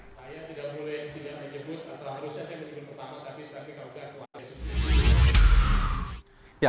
saya tidak boleh tidak menyebut terlalu sesing di dunia pertama tapi terlalu banyak